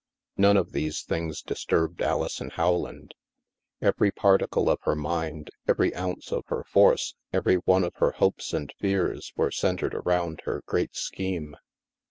None of these things disturbed Alison Rowland. Every particle of her mind, every ounce of her force, every one of her hopes and fears, were centered around her great scheme.